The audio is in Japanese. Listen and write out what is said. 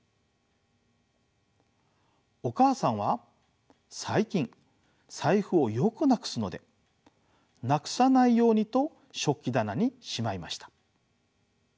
お母さんは最近財布をよくなくすのでなくさないようにと食器棚にしまいました。